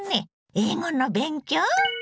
英語の勉強？